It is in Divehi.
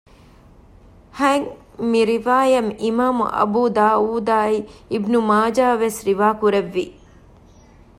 ހަތް ހ މިރިވާޔަތް އިމާމު އަބޫދާއޫދާއި އިބްނު މާޖާވެސް ރިވާކުރެއްވި